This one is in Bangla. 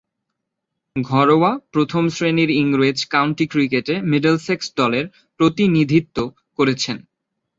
ঘরোয়া প্রথম-শ্রেণীর ইংরেজ কাউন্টি ক্রিকেটে মিডলসেক্স দলের প্রতিনিধিত্ব করেছেন।